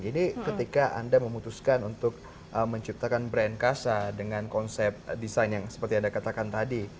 jadi ketika anda memutuskan untuk menciptakan brand kasa dengan konsep desain yang seperti anda katakan tadi